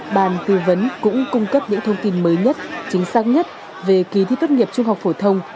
bàn tư vấn cũng cung cấp những thông tin mới nhất chính xác nhất về kỳ thi tốt nghiệp trung học phổ thông